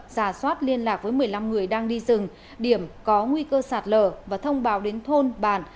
giả soát liên lạc với một mươi năm người đang đi rừng điểm có nguy cơ sạt lở và thông báo đến thôn bản